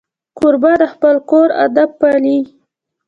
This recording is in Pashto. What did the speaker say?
کوربه د خپل کور ادب پالي.